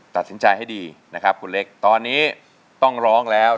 ตัดสินใจให้ดีนะครับคุณเล็กตอนนี้ต้องร้องแล้ว